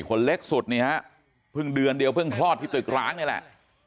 คนเล็กสุดนี่ฮะเพิ่งเดือนเดียวเพิ่งคลอดที่ตึกร้างนี่แหละ